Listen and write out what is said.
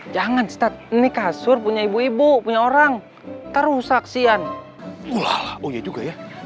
jangan ini kasur punya ibu ibu punya orang terus aksian juga ya